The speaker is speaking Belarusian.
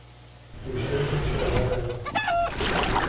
І ўсюды ўсё гарэла.